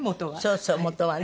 そうそう元はね。